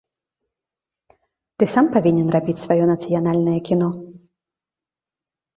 Ты сам павінен рабіць сваё нацыянальнае кіно.